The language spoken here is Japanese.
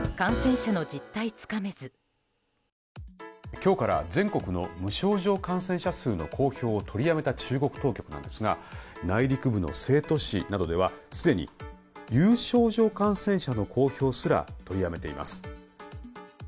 今日から全国の無症状感染者数の公表を取りやめた中国当局なんですが内陸部の成都市などではすでに有症状感染者の公表すら取りやめています。